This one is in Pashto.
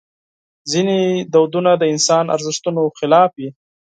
ځینې دودونه د انساني ارزښتونو خلاف دي.